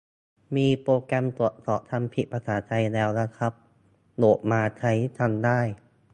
มีโปรแกรมตรวจสอบคำผิดภาษาไทยแล้วนะครับ โหลดมาใช้กันได้